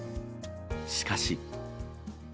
しかし。